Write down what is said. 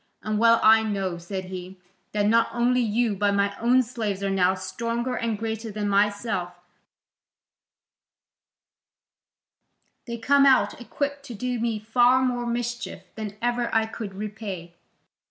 And well I know," said he, "that not only you but my own slaves are now stronger and greater than myself: they come out equipt to do me far more mischief than ever I could repay."